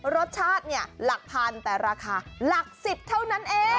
รสชาติหลักพันแต่ราคาหลักสิบเท่านั้นเอง